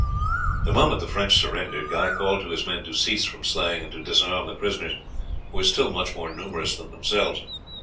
The moment the French surrendered, Guy called to his men to cease from slaying and to disarm the prisoners, who were still much more numerous than themselves.